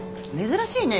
珍しいね。